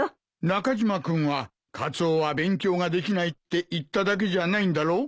中島君はカツオは勉強ができないって言っただけじゃないんだろう？